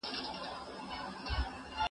پوهه څنګه د خبرو له لارې لېږدول کیږي؟